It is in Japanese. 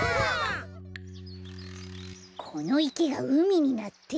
このいけがうみになって。